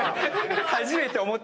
初めて思った。